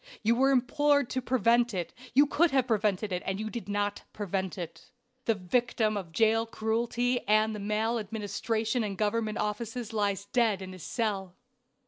You were implored to prevent it, you could have prevented it, and you did not prevent it. The victim of jail cruelty and of the maladministration in government offices lies dead in his cell.